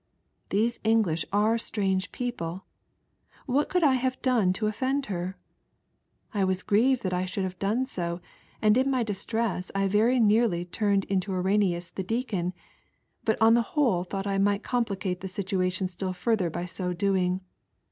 These English are strange people; what could I have done to offend her ! I was grieved that I should have done so, and in my distress I very nearly turned into Irenaeus the Deacon, but on the whole thonght I might complicate the situation still further by so doing.